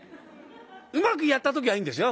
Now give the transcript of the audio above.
うまくやった時はいいんですよ。